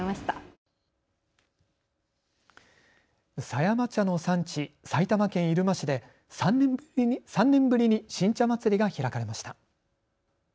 狭山茶の産地、埼玉県入間市で３年ぶりに新茶まつりが開かれました。